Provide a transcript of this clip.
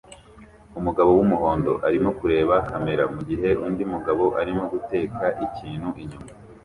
Umugabo wumuhondo arimo kureba kamera mugihe undi mugabo arimo guteka ikintu inyuma